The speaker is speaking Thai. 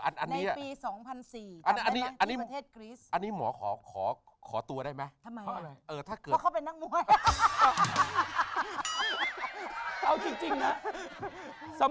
ในปี๒๐๐๐กันได้มั้ยที่ประเทศกรีซ